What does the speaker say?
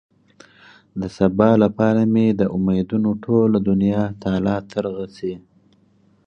د سبا لپاره مې د امېدونو ټوله دنيا تالا ترغه شي.